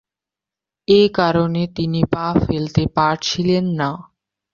এ কারণে তিনি পা ফেলতে পারছিলেন না।